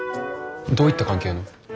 どういった関係の？